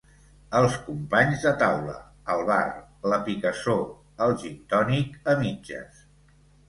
Els companys de taula, el bar, la picassor, el gintònic a mitges.